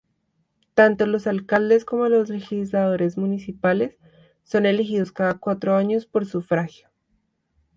Tanto los alcaldes como los legisladores municipales son elegidos cada cuatro años por sufragio.